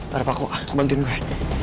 bapak kok bantuin gue